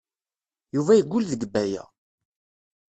Yuba yeggul deg Baya.